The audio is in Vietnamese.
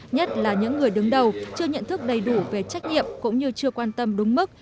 nhất là những người đứng đầu chưa nhận thức đầy đủ về trách nhiệm cũng như chưa quan tâm đúng mức